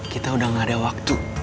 kita udah gak ada waktu